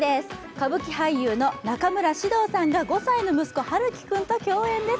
歌舞伎俳優の中村獅童さんが５歳の息子、陽喜君と共演です。